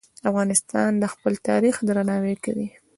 افغانستان د خپل تاریخ درناوی کوي.